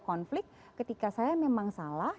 konflik ketika saya memang salah